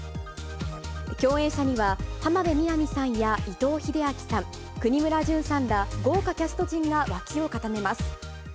共演者には、浜辺美波さんや伊藤英明さん、國村隼さんら、豪華キャスト陣が脇を固めます。